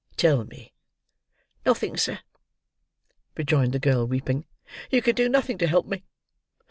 Tell me." "Nothing, sir," rejoined the girl, weeping. "You can do nothing to help me.